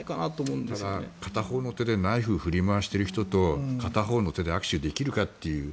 ただ、片方の手でナイフを振り回している人と片方の手で握手できるかと。